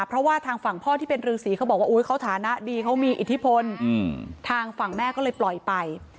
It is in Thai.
เพราะว่าทางฝั่งพ่อที่เป็นฤษีเขาบอกว่าอุ๊ยเขาฐานะดีเขามีอิทธิพลทางฝั่งแม่ก็เลยปล่อยไป